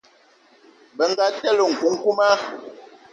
Bënga telé nkukuma.